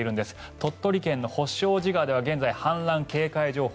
鳥取県の法勝寺川では現在、氾濫警戒情報。